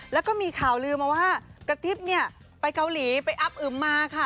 แล้วก็มีข่าวลืมมาว่ากระติ๊บเนี่ยไปเกาหลีไปอับอึมมาค่ะ